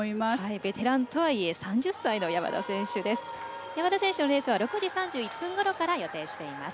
ベテランとはいえ３０歳の選手です。